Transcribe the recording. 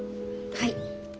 はい。